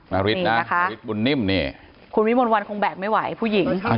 นาริสนะนาริสบุญนิ่มนี่คุณวิมนต์วันคงแบกไม่ไหวผู้หญิง